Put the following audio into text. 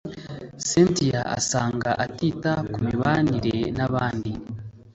Cynthia usanga atita ku mibanire n’abandi